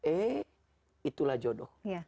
eh itulah jodoh